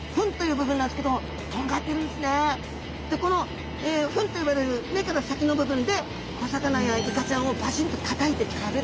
あの鼻でこの吻と呼ばれる目から先の部分で小魚やイカちゃんをバシンとたたいて食べるという。